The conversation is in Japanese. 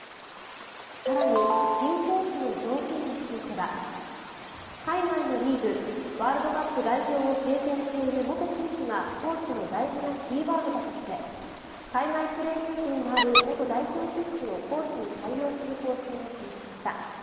更に、新コーチの条件については海外のリーグワールドカップ代表を経験している元選手がコーチの大事なキーワードだとして海外プレー経験のある元代表選手をコーチに採用する方針を示しました。